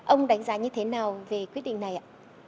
ông đánh giá như thế nào về quyết định này ạ